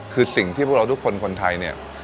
คือสิ่งที่พวกเราทุกคนคนไทยเนี่ย